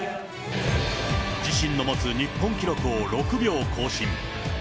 自身の持つ日本記録を６秒更新。